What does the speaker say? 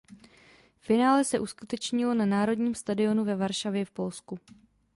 Finále se uskutečnilo na Národním stadionu ve Varšavě v Polsku.